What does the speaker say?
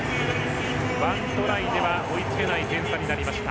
１トライでは追いつけない点差になりました。